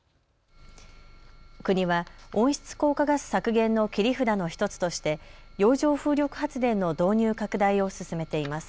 国は温室効果ガス削減の切り札の１つとして洋上風力発電の導入拡大を進めています。